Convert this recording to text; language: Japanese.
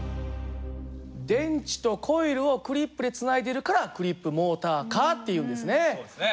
電池とコイルをクリップでつないでいるからクリップモーターカーっていうんですね。